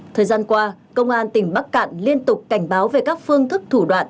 thời gian qua công an tỉnh bắc cạn liên tục cảnh báo về các phương thức thủ đoạn